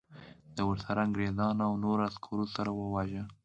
د ورسره انګریزانو او نورو عسکرو سره وواژه.